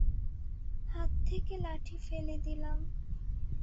হাত থেকে লাঠি ফেলে দিলাম।